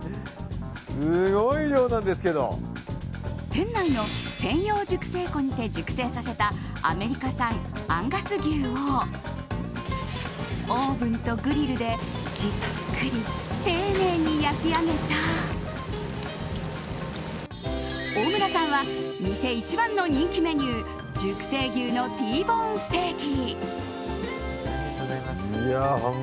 店内の専用熟成庫にて熟成させたアメリカ産アンガス牛をオーブンとグリルでじっくり丁寧に焼き上げた大村さんは店一番の人気メニュー熟成牛のＴボーンステーキ。